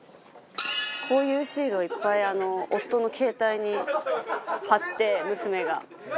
こういうシールをいっぱい夫の携帯に貼って娘が。